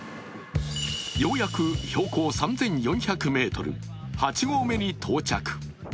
ようやく標高３４００ｍ８合目に到着。